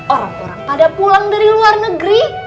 orang orang pada pulang dari luar negeri